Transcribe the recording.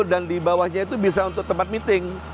dan di bawahnya itu bisa untuk tempat meeting